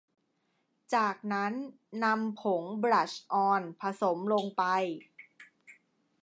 จากนั้นนำผงบลัชออนผสมลงไป